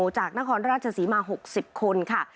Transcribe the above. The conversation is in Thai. จากนครราชศรีมา๖๐คนค่ะ